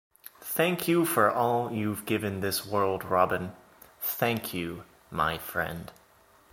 Thank you for all you've given this world Robin, thank you my friend.